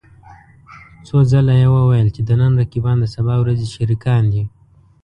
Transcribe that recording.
څو ځله يې وويل چې د نن رقيبان د سبا ورځې شريکان دي.